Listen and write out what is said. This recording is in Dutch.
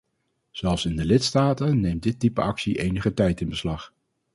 Zelfs in de lidstaten neemt dit type actie enige tijd in beslag.